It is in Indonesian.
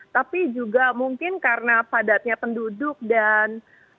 tapi juga mungkin karena padatnya penduduk dan